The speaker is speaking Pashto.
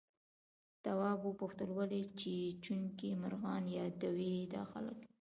تواب وپوښتل ولې چیچونکي مرغان يادوي دا خلک؟